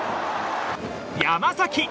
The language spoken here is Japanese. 山崎。